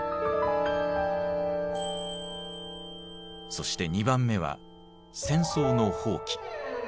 そして２番目は戦争の放棄。